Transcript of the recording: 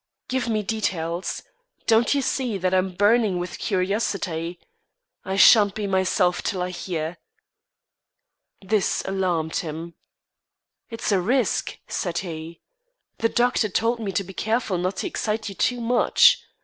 Give me details. Don't you see that I am burning with curiosity? I shan't be myself till I hear." This alarmed him. "It's a risk," said he. "The doctor told me to be careful not to excite you too much.